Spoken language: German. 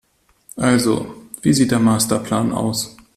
Also, wie sieht der Masterplan aus?